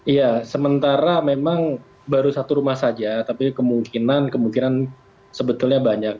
iya sementara memang baru satu rumah saja tapi kemungkinan kemungkinan sebetulnya banyak